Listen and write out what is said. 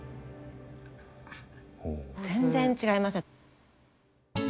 全然違いますね。